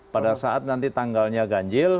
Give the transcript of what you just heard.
pada saat nanti tanggalnya ganjil